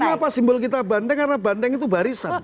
kenapa simbol kita bandeng karena bandeng itu barisan